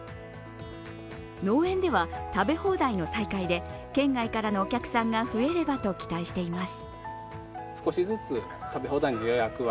農園では食べ放題の再開で県外からのお客さんが増えればと期待しています。